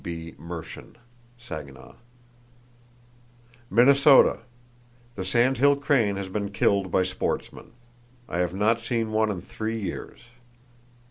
—(W.B. Mershon, Saginaw.) Minnesota: The sandhill crane has been killed by sportsmen. I have not seen one in three years.